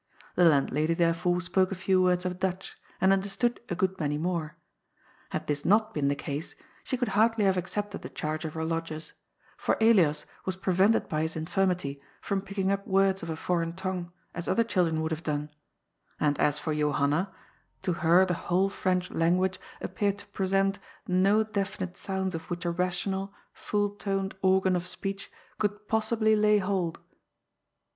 The landlady, therefore, spoke a few words of Dutch, and understood a good many more. Had this not been the case, she could hardly have accepted the charge of her lodgers, for Elias was prevented by his infirmity from picking up words of a foreign tongue, as other children would have done ; and as for Johanna, to her the whole French language appeared to present no definite sounds of which a rational, full toned organ of speech could possibly lay hold.